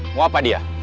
mau apa dia